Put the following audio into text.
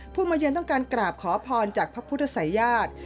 มาเยือนต้องการกราบขอพรจากพระพุทธศัยญาติ